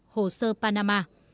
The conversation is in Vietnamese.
hồ sơ panama